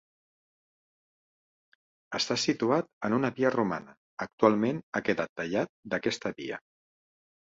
Està situat en una via romana, actualment ha quedat tallat d'aquesta via.